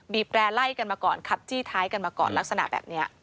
แร่ไล่กันมาก่อนขับจี้ท้ายกันมาก่อนลักษณะแบบนี้